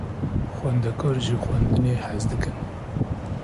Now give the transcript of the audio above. Xwendekar ji xwendinê hez dikin.